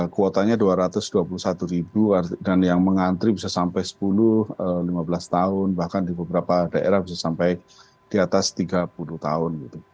kuotanya dua ratus dua puluh satu ribu dan yang mengantri bisa sampai sepuluh lima belas tahun bahkan di beberapa daerah bisa sampai di atas tiga puluh tahun